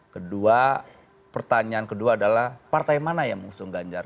kedua pertanyaan kedua adalah partai mana yang mengusung ganjar